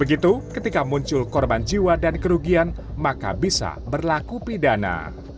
begitu ketika muncul korban jiwa dan kerugian maka bisa berlaku pidana